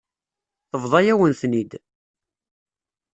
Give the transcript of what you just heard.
Tebḍa-yawen-ten-id.